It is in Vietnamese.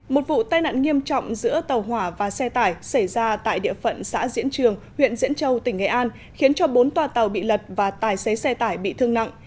một vụ tai nạn nghiêm trọng giữa tàu hỏa và xe tải xảy ra tại địa phận xã diễn trường huyện diễn châu tỉnh nghệ an khiến cho bốn tòa tàu bị lật và tài xế xe tải bị thương nặng